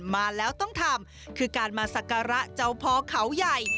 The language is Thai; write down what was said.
มาแล้วต้องทำคือการมาสักการะเจ้าพ่อเขาใหญ่